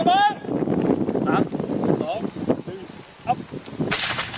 สามสี่สองหนึ่งสาม